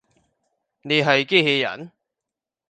你係機器人？